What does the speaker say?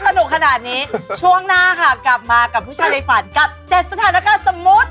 สนุกขนาดนี้ช่วงหน้าค่ะกลับมากับผู้ชายในฝันกับ๗สถานการณ์สมมุติ